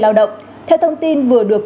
lao động theo thông tin vừa được